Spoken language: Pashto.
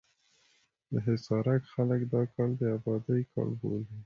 د حصارک خلک دا کال د ابادۍ کال بولي.